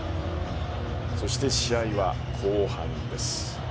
そして試合は後半です。